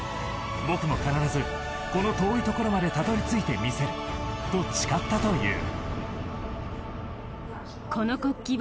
僕も必ず、この遠いところまでたどり着いてみせると誓ったという。